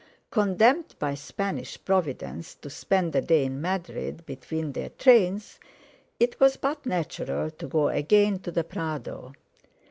Condemned by Spanish Providence to spend a day in Madrid between their trains, it was but natural to go again to the Prado.